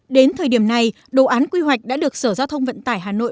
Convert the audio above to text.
đến thời điểm này đồ án quy hoạch đã được sở giao thông vận tải hà nội